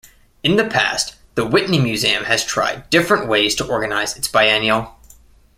In the past the Whitney Museum has tried different ways to organize its biennial.